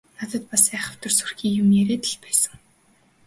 Надад бас айхавтар сүрхий юм яриад л байсан.